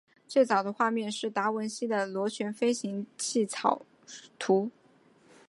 最早的画面是达文西的螺旋飞行器草图。